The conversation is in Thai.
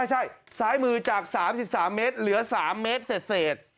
ใช่ซ้ายมือจาก๓๓เมตรเหลือ๓เมตรเศษ